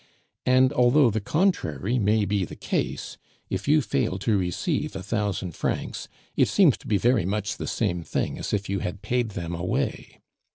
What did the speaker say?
And although the contrary may be the case, if you fail to receive a thousand francs, it seems to be very much the same thing as if you had paid them away.